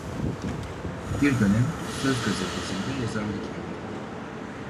Bir dönem "Söz" gazetesinde yazarlık yaptı.